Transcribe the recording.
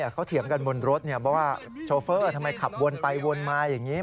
เขาเถียงกันบนรถเพราะว่าโชเฟอร์ทำไมขับวนไปวนมาอย่างนี้